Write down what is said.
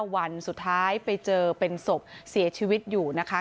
วันสุดท้ายไปเจอเป็นศพเสียชีวิตอยู่นะคะ